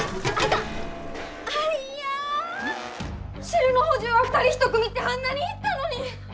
汁の補充は２人一組ってあんなに言ったのに！